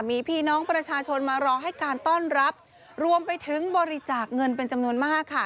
มีพี่น้องประชาชนมารอให้การต้อนรับรวมไปถึงบริจาคเงินเป็นจำนวนมากค่ะ